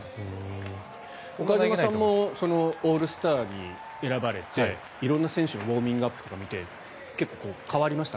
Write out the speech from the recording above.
岡島さんもオールスターに選ばれて色んな選手のウォーミングアップとか見て結構、変わりました？